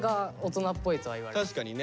確かにね。